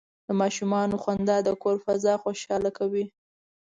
د ماشومانو خندا د کور فضا خوشحاله کوي.